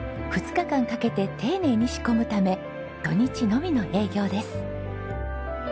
２日間かけて丁寧に仕込むため土日のみの営業です。